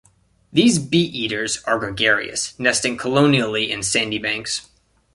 These bee-eaters are gregarious, nesting colonially in sandy banks.